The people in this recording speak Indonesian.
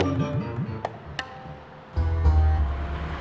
perlu aku antar